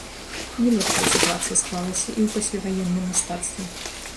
Не лепшая сітуацыя склалася і ў пасляваенным мастацтве.